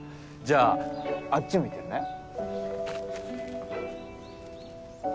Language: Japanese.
じゃああっち向いてるね。